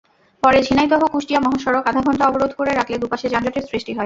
পরে ঝিনাইদহ-কুষ্টিয়া মহাসড়ক আধা ঘণ্টা অবরোধ করে রাখলে দুপাশে যানজটের সৃষ্টি হয়।